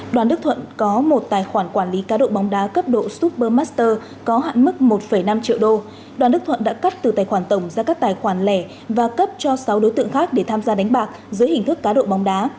đoàn đức thuận có một tài khoản quản lý cá độ bóng đá cấp độ super master có hạn mức một năm triệu đô đoàn đức thuận đã cắt từ tài khoản tổng ra các tài khoản lẻ và cấp cho sáu đối tượng khác để tham gia đánh bạc dưới hình thức cá độ bóng đá